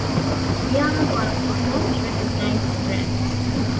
We're one of the most recognized brands.